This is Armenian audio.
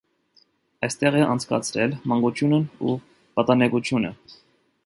Այստեղ է անցկացրել մանկությունն ու պատանեկությունը։